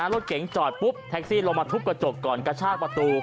รถเก๋งจอดปุ๊บแท็กซี่ลงมาทุบกระจกก่อนกระชากประตู